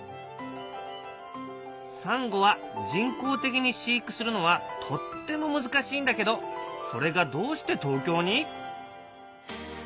サンゴは人工的に飼育するのはとっても難しいんだけどそれがどうして東京に！？